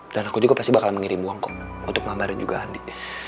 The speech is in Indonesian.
dan aku juga pasti bakal mengirim uang kok untuk mama dan juga andi